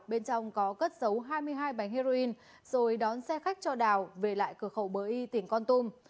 bên trong có cất dấu hai mươi hai bánh heroin rồi đón xe khách cho đào về lại cửa khẩu bờ y tỉnh con tum